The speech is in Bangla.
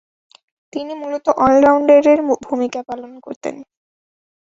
তিনি মূলতঃ অল-রাউন্ডারের ভূমিকা পালন করতেন।